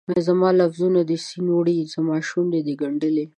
زما لفظونه دي سیند وړي، زماشونډې دي ګنډلي